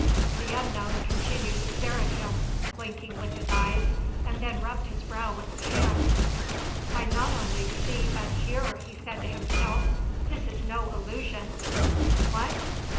The unknown continued to stare at him, blinking with his eyes, and then rubbed his brow with his hand. "I not only see but hear!" he said to himself. "This is no illusion! What?